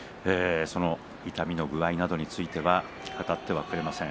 痛みの具合などについては語ってくれません。